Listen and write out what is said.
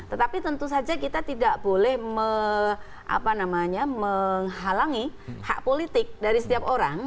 tetapi tentu saja kita tidak boleh menghalangi hak politik dari setiap orang